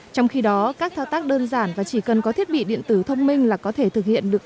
trong khi đó các thao tác đơn giản và chỉ cần có thiết bị điện tử thông minh là có thể thực hiện được